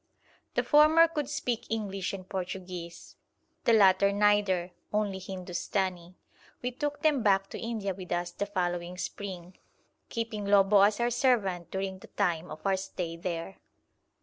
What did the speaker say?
The former could speak English and Portuguese; the latter neither, only Hindustani. We took them back to India with us the following spring, keeping Lobo as our servant during the time of our stay there.